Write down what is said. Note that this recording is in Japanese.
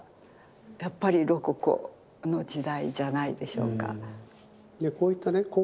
やっぱりロココの時代じゃないでしょうか。